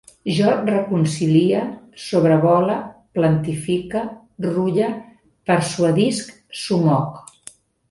Jo reconcilie, sobrevole, plantifique, rulle, persuadisc, somoc